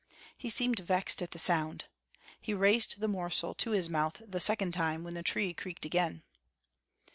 He seemed vexed at the sound. He raised the morsel to his mouth the second time, when the tree creaked again.